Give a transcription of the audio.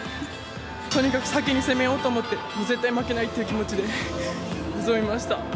とにかく先に攻めようと思って、絶対に負けないっていう気持ちで臨みました。